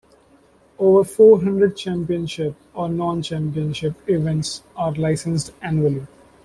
Over four hundred Championship or non-Championship events are licensed annually.